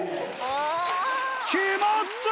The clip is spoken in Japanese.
決まった！